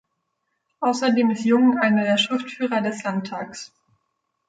Außerdem ist Jung einer der Schriftführer des Landtags.